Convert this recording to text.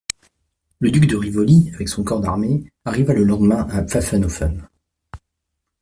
Le duc de Rivoli, avec son corps d'armée, arriva le lendemain à Pfaffenhoffen.